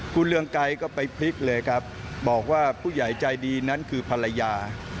คุณเรืองไกรก็ไปพลิกเลยครับบอกว่าผู้ใหญ่ใจดีนั้นคือภรรยา